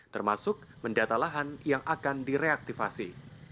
termasuk mendata lahan yang akan direaktivasi